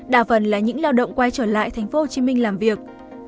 đa phần là những lao động quay trở lại thành phố hồ chí minh làm việc